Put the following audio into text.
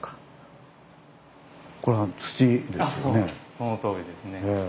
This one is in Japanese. そのとおりですね。